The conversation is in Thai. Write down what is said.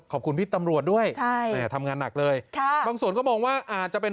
ขอบคุณพี่ตำรวจด้วยใช่แม่ทำงานหนักเลยค่ะบางส่วนก็มองว่าอาจจะเป็น